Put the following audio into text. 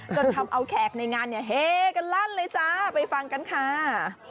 จนทำเอาแขกในงานเนี่ยเฮกันลั่นเลยจ้าไปฟังกันค่ะ